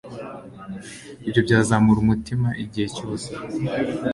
ibyo byazamura umutima igihe cyose